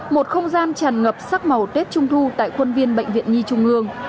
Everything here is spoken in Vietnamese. một không gian tràn ngập sắc màu tết trung thu tại quân viên bệnh viện nhi trung ương